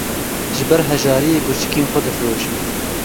Ji ber hejariyê gurçikên xwe difiroşin.